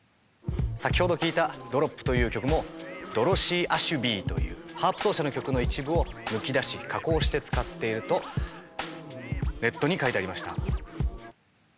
先ほど聴いた「Ｄｒｏｐ」という曲もドロシー・アシュビーというハープ奏者の曲の一部を抜き出し加工して使っているとネットに書いてありました。